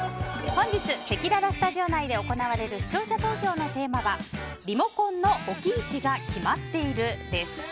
本日せきららスタジオ内で行われる視聴者投票のテーマはリモコンの置き位置が決まっているです。